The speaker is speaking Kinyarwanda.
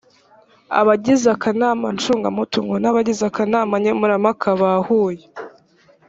abagize akanama ncungamutungo n’abagize akanama nkemurampaka bahuye